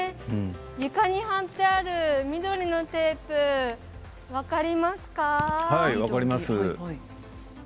床に貼ってある緑のテープ分かりますか？